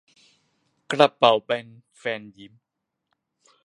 กระเป๋าแบนแฟนยิ้ม